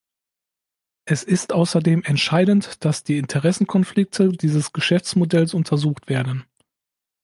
Es ist außerdem entscheidend, dass die Interessenkonflikte dieses Geschäftsmodells untersucht werden.